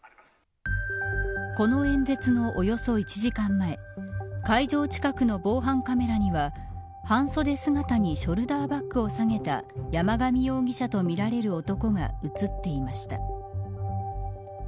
この演説のおよそ１時間前会場近くの防犯カメラには半袖姿にショルダーバックを提げた山上容疑者とみられる男が映っていました。